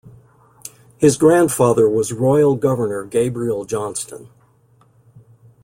His grandfather was royal Governor Gabriel Johnston.